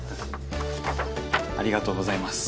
ありがとうございます。